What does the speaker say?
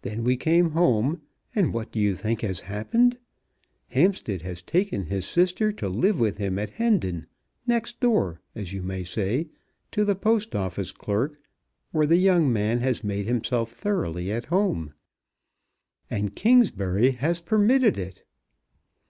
Then we came home; and what do you think has happened? Hampstead has taken his sister to live with him at Hendon, next door, as you may say, to the Post Office clerk, where the young man has made himself thoroughly at home; and Kingsbury has permitted it!